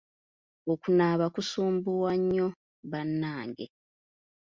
Okunaaba kunsumbuwa nnyo bannange.